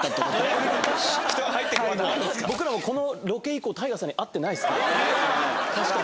僕らもこのロケ以降ＴＡＩＧＡさんに会ってないっすから確かに。